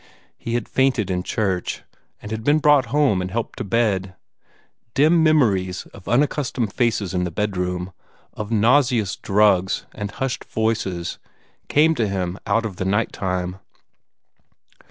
He had fainted in church, and had been brought home and helped to bed. Dim memories of unaccustomed faces in the bedroom, of nauseous drugs and hushed voices, came to him out of the night time.